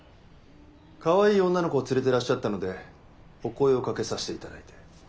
かわいい女の子を連れてらっしゃったのでお声をかけさせて頂いて。